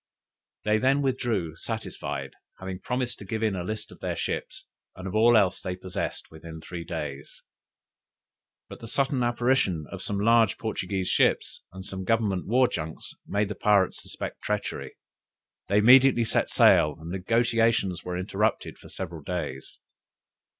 They then withdrew satisfied, having promised to give in a list of their ships, and of all else they possessed, within three days. But the sudden apparition of some large Portuguese ships, and some Government war junks, made the pirates suspect treachery. They immediately set sail, and the negociations were interrupted for several days.